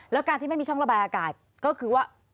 แล้วการที่ไม่มีช่องระบายอากาศก็คือว่า